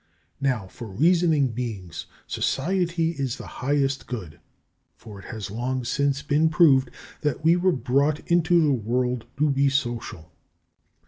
Now, for reasoning beings, Society is the highest good, for it has long since been proved that we were brought into the world to be social.